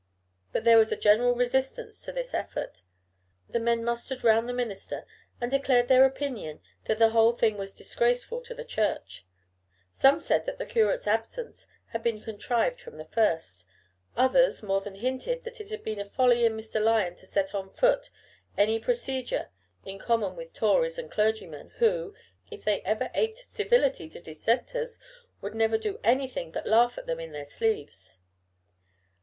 But there was a general resistance to this effort. The men mustered round the minister and declared their opinion that the whole thing was disgraceful to the Church. Some said that the curate's absence had been contrived from the first. Others more than hinted that it had been a folly in Mr. Lyon to set on foot any procedure in common with Tories and clergymen, who, if they ever aped civility to Dissenters, would never do anything but laugh at them in their sleeves.